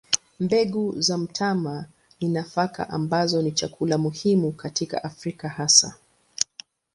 Mbegu za mtama ni nafaka ambazo ni chakula muhimu katika Afrika hasa.